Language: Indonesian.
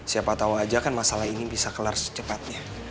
siapa tahu aja kan masalah ini bisa kelar secepatnya